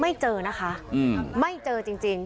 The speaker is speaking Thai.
ไม่เจอนะคะไม่เจอจริง